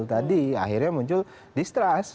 tadi akhirnya muncul distrust